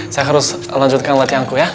saya harus lanjutkan latihan ku ya